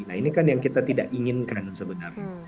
nah ini kan yang kita tidak inginkan sebenarnya